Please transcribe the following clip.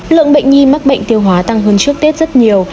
lượng bệnh nhi mắc bệnh tiêu hóa tăng hơn trước tết rất nhiều